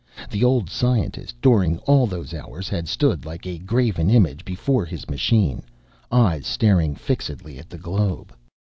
The old scientist, during all those hours, had stood like a graven image before his machine, eyes staring fixedly at the globe.